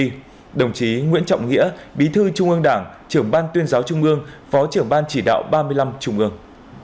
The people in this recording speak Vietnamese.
tham dự lễ trao giải có đồng chí nguyễn trọng nghĩa bí thư trung ương đảng trưởng ban tuyên giáo trung ương phó trưởng ban chỉ đạo ba mươi năm trung ương